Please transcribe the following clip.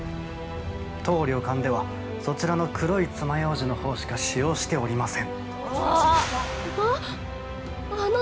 当旅館では、そちらの黒いつまようじのほうしか、使用しておりません。